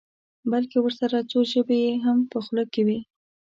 بلکې ورسره څو ژبې یې هم په خوله کې وي.